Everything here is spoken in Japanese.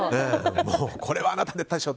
これはあなたでしょ！